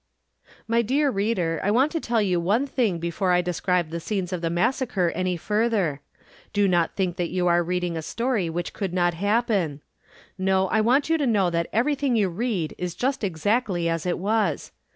My dear reader, I want to tell you one thing before I describe the scenes of the massacre any further; do not think that you are reading a story which could not happen! No, I want you to know that everything you read is just exactly as it was.